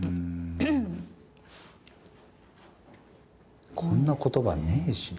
うーんこんな言葉ねえしな。